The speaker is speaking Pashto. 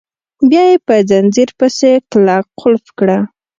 بیا یې په ځنځیر پسې کلک قلف کړه.